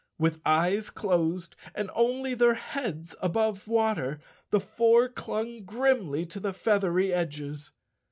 With eyes closed, and only their heads above water, the four clung grimly to the feathery edges.